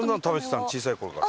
小さい頃から。